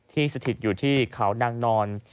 ที่สถิตอยู่ที่เขานั่งนอน